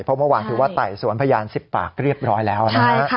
เพราะเมื่อวานถือว่าไต่สวนพยาน๑๐ปากเรียบร้อยแล้วนะฮะ